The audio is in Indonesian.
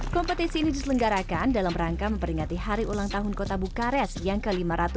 kompetisi ini diselenggarakan dalam rangka memperingati hari ulang tahun kota bukares yang ke lima ratus dua puluh